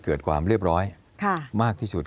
เกิดความเรียบร้อยมากที่สุด